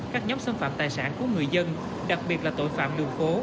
các nhóm xâm phạm tài sản của người dân đặc biệt là tội phạm đường phố